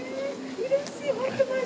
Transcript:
うれしい！